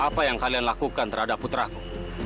apa yang kalian lakukan terhadap putraku